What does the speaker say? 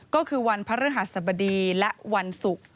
ก็คือวันพระฤหัสบดีและวันศุกร์